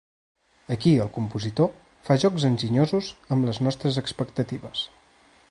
Aquí el compositor fa jocs enginyosos amb les nostres expectatives.